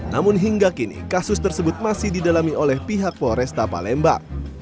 namun hingga kini kasus tersebut masih didalami oleh pihak polresta palembang